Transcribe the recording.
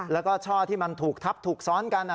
แล้วก็ช่อที่มันถูกทับถูกซ้อนกัน